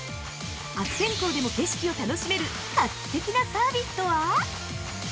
悪天候でも景色を楽しめる画期的なサービスとは？